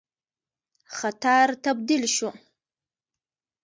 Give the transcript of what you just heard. خطر تبدیل شو.